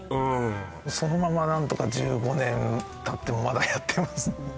そのまま何とか１５年たってもまだやってますね